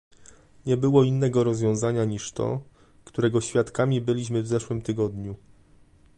Nie było innego rozwiązania niż to, którego świadkami byliśmy w zeszłym tygodniu